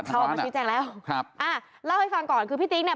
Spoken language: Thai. เขาออกมาชี้แจ้งแล้วครับอ่าเล่าให้ฟังก่อนคือพี่ติ๊กเนี่ย